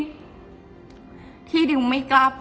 เพราะในตอนนั้นดิวต้องอธิบายให้ทุกคนเข้าใจหัวอกดิวด้วยนะว่า